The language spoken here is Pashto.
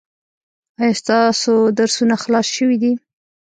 ایا ستاسو درسونه خلاص شوي دي؟